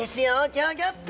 ギョギョッと！